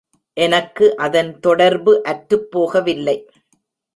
எனக்கு அதன் தொடர்பு அற்றுப் போகவில்லை.